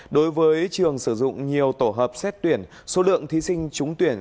đối với trường sử dụng nhiều tổ hợp xét tuyển số lượng thí sinh trúng tuyển